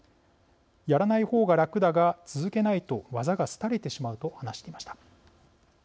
やらない方が楽だが続けないと技が廃れてしまう」と話していました。